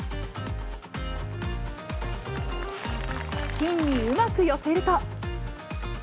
ピンにうまく寄せると。